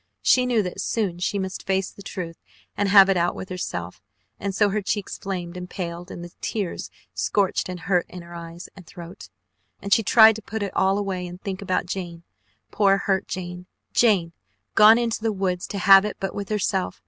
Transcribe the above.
She knew that soon she must face the truth and have it out with herself, and so her cheeks flamed and paled, and the tears scorched and hurt in her eyes and throat, and she tried to put it all away and think about Jane, poor hurt Jane. Jane gone into the woods to have it but with herself.